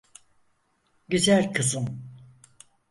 Güzel kızım.